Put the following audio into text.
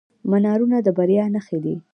منارونه د بریا نښې دي.